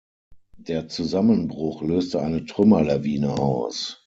Der Zusammenbruch löste eine Trümmerlawine aus.